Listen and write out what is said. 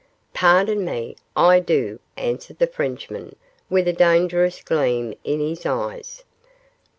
'Pardon me, I do' answered the Frenchman, with a dangerous gleam in his eyes.